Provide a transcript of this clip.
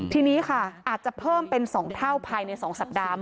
ทีนี้ค่ะอาจจะเพิ่มเป็น๒เท่าภายใน๒สัปดาห์